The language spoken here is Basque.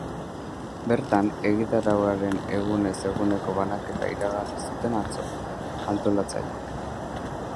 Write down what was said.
Bertan, egitarauaren egunez eguneko banaketa iragarri zuten, atzo, antolatzaileek.